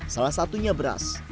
salah satunya beras